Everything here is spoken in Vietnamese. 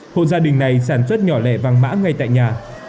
hộ gia đình này sản xuất nhỏ lẻ vàng mã ngay tại nhà